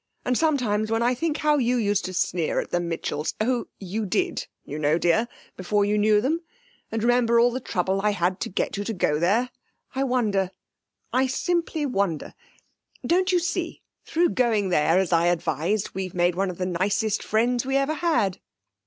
And sometimes when I think how you used to sneer at the Mitchells oh, you did, you know, dear, before you knew them and I remember all the trouble I had to get you to go there, I wonder I simply wonder! Don't you see, through going there, as I advised, we've made one of the nicest friends we ever had.'